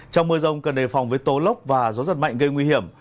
trong mưa rông cần đề phòng với tố lốc và gió giật mạnh gây nguy hiểm